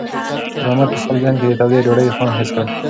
خیر محمد په خپل ذهن کې د تودې ډوډۍ خوند حس کړ.